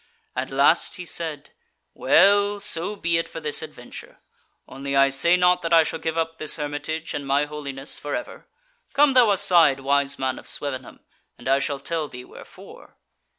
At last he said: "Well, so be it for this adventure. Only I say not that I shall give up this hermitage and my holiness for ever. Come thou aside, wise man of Swevenham, and I shall tell thee wherefore."